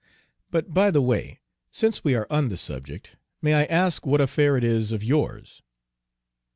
But, by the way, since we are on the subject, may I ask what affair it is of yours?"